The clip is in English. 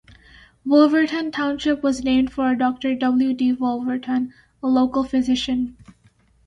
Wolverton Township was named for Doctor W. D. Wolverton, a local physician.